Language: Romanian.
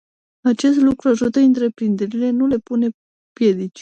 Acest lucru ajută întreprinderile, nu le pune piedici.